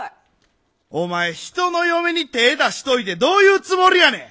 お前、人の嫁に手を出しておいてどういうつもりやねん！